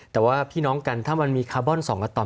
แต่ว่าพี่น้องกันถ้ามันมีคาร์บอน๒อาตอม